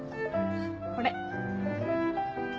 これ。